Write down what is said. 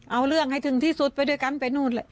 เอาเรื่องให้ถึงที่สุดไปด้วยกันไปนู่นแหละ